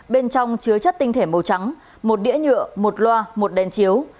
bên trong chứa chất tinh thể màu trắng một đĩa nhựa một loa một đèn chiếu